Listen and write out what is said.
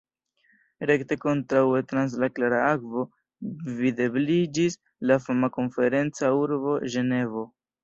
Rekte kontraŭe trans la klara akvo videbliĝis la fama konferenca urbo Ĝenevo.